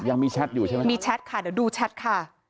ยังมีแชทอยู่ใช่ไหมมีแชทค่ะเดี๋ยวดูแชทค่ะ